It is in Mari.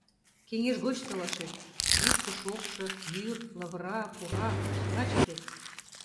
Кеҥеж гоч толашет: йӱштӧ-шокшо, йӱр, лавыра, пурак — чыла чытет...